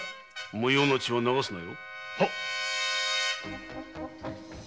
無用の血は流すなよ。